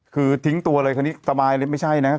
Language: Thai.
คือทิ้งตัวอะไรคนนี้สบายเลยไม่ใช่นะ